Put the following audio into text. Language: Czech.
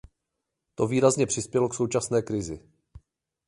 To výrazně přispělo k současné krizi.